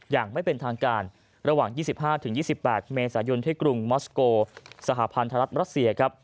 อย่างไม่เป็นทางการระหว่าง๒๕๒๘เมษายนที่กรุงมอสโกสหพันธรัฐมรัสเซียครับ